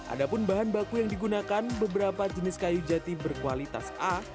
ada pun bahan baku yang digunakan beberapa jenis kayu jati berkualitas a